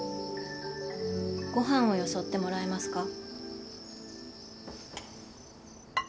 ごはんをよそってもらえますか？